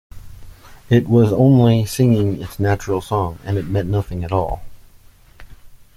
It was only singing its natural song, and it meant nothing at all.